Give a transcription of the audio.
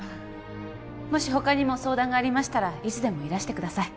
もし他にも相談がありましたらいつでもいらしてください